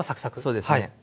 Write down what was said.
そうですね。